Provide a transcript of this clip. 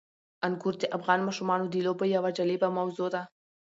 انګور د افغان ماشومانو د لوبو یوه جالبه موضوع ده.